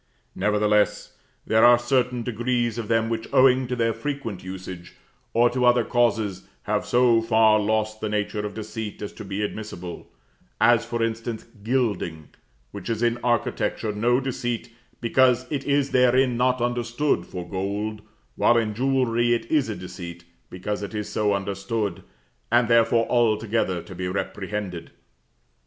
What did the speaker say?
Nevertheless, there are certain degrees of them, which, owing to their frequent usage, or to other causes, have so far lost the nature of deceit as to be admissible; as, for instance, gilding, which is in architecture no deceit, because it is therein not understood for gold; while in jewellery it is a deceit, because it is so understood, and therefore altogether to be reprehended.